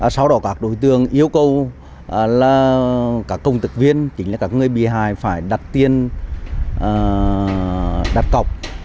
sau đó các đối tương yêu cầu các công tực viên chính là các người bì hài phải đặt tiền đặt cọc